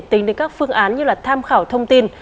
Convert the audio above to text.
tính đến các phương án như là tham khảo thông tin